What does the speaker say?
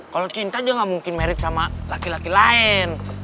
kalo cinta dia ga mungkin married sama laki laki lain